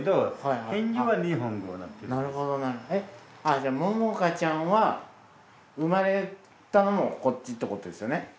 じゃあモモカちゃんは生まれたのもこっちってことですよね。